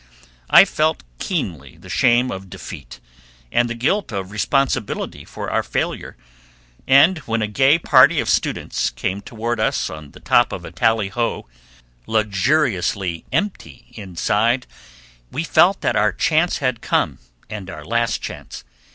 I felt keenly the shame of defeat, and the guilt of responsibility for our failure, and when a gay party of students came toward us on the top of a tally ho, luxuriously empty inside, we felt that our chance had come, and our last chance.